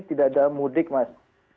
tidak ada mudik mas